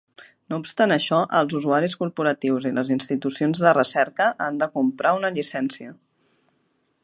No obstant això, els usuaris corporatius i les institucions de recerca han de comprar una llicència.